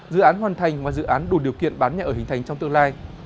dự án hoàn thành và dự án đủ điều kiện bán nhà ở hình thành trong tương lai